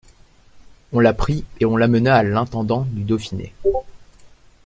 On la prit et on l'amena à l'intendant du Dauphiné.